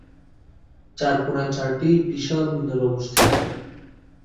চারকোনায় চারটি বিশাল মিনার অবস্থিত।